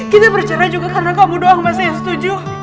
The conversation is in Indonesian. kita bercerai juga karena kamu doang mas yang setuju